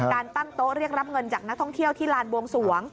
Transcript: ตั้งโต๊ะเรียกรับเงินจากนักท่องเที่ยวที่ลานบวงสวง